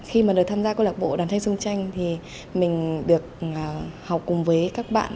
khi mà được tham gia câu lạc bộ đàn tranh sung tranh thì mình được học cùng với các bạn